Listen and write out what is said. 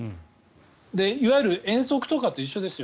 いわゆる遠足とかと一緒ですよ